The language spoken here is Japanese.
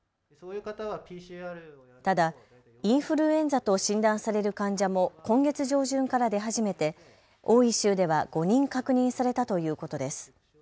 ただインフルエンザと診断される患者も今月上旬から出始めて多い週では５人確認されたということです。